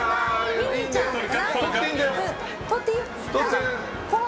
ミニーちゃんかな。